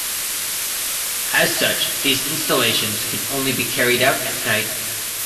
As such these installations could only be carried out at night.